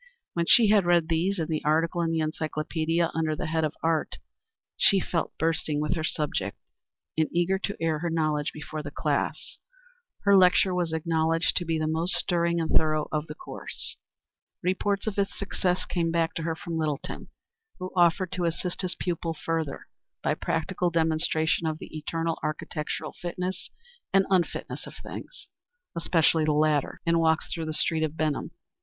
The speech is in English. When she had read these and the article in the encyclopædia under the head of Art, she felt bursting with her subject and eager to air her knowledge before the class. Her lecture was acknowledged to be the most stirring and thorough of the course. Reports of its success came back to her from Littleton, who offered to assist his pupil further by practical demonstration of the eternal architectural fitness and unfitness of things especially the latter in walks through the streets of Benham.